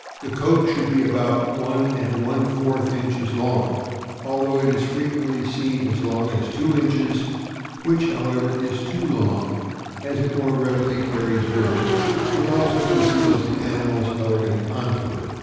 The coat should be about one and one fourth inches long, although it is frequently seen as long as two inches, which, however, is too long, as it the more readily carries dirt, and also conceals the animal's elegant contour.